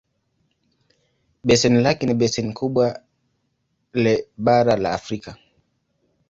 Beseni lake ni beseni kubwa le bara la Afrika.